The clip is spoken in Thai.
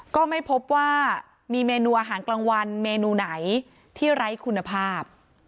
ก็ไม่พบว่ามีเมนูอาหารกลางวันเมนูไหนที่ไร้คุณภาพ